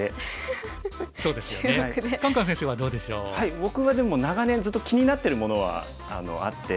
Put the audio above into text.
僕はでも長年ずっと気になってるものはあって。